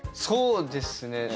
そうですね。